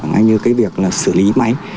như cái việc xử lý máy